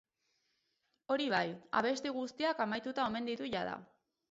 Hori bai, abesti guztiak amaituta omen ditu jada.